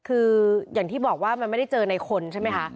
คืออย่างที่บอกว่ามันไม่ได้เจอในคนใช่ไหมคะ